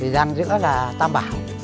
gian giữa là tam bảo